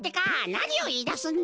なにをいいだすんだ！